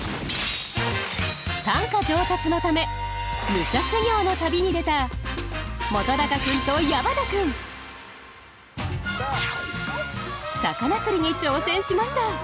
短歌上達のため武者修行の旅に出た本君と矢花君魚釣りに挑戦しました。